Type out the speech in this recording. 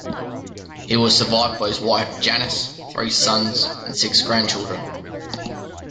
He was survived by his wife Janice, three sons and six grandchildren.